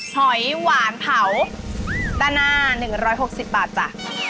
หอยหวานเผาด้านหน้า๑๖๐บาทจ้ะ